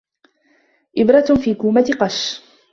إبرة في كومة قش